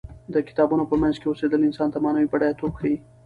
د کتابونو په منځ کې اوسیدل انسان ته معنوي بډایه توب بښي.